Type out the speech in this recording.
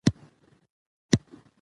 جلګه د افغان ځوانانو لپاره دلچسپي لري.